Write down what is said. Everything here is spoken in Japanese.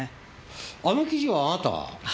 あの記事はあなたが？